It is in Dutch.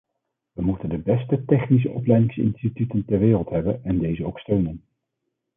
We moeten de beste technische opleidingsinstituten ter wereld hebben en deze ook steunen.